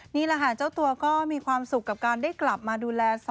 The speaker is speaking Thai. นี่แหละค่ะเจ้าตัวก็มีความสุขกับการได้กลับมาดูแล